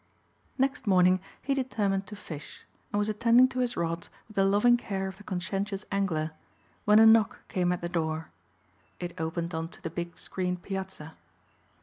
Next morning he determined to fish and was attending to his rods with the loving care of the conscientious angler when a knock came at the door. It opened on to the big screened piazza.